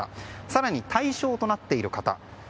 更に、対象となっている方。